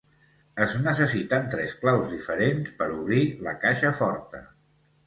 Es necessiten tres claus diferents per obrir la caixa forta.